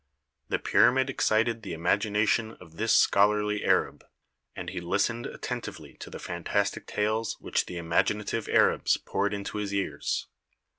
The pyramid excited the imagination of this scholarly Arab, and he listened attentively to the fantastic tales which the imagi native Arabs poured into his ears.